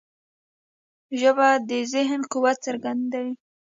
ژبه د ذهن قوت څرګندوي